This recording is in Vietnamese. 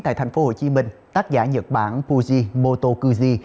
tại thành phố hồ chí minh tác giả nhật bản fujimoto koji